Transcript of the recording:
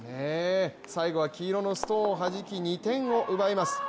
最後は黄色のストーンをはじき、２点を奪います。